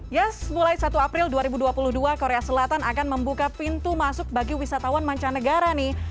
yes mulai satu april dua ribu dua puluh dua korea selatan akan membuka pintu masuk bagi wisatawan mancanegara nih